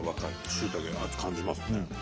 しいたけ味感じますね。